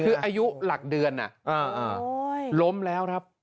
คืออายุหลักเดือนล้มแล้วครับ